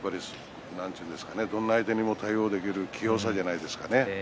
どんな相手にも対応できる器用さではないですかね。